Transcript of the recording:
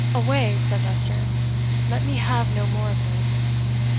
away!" said Leicester; "let me have no more of this."